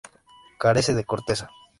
Carece de corteza.